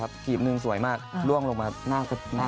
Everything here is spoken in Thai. ใกล้ปีนึงสวยมากร่วงลงมาหน้านรูปแม่